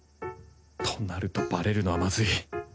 となるとバレるのはまずい。